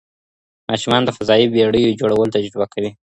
ماشومان د فضایي بېړیو جوړول تجربه کوي.